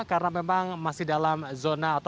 karena memang masih dalam zona